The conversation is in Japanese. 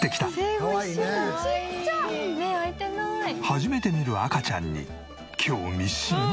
初めて見る赤ちゃんに興味津々。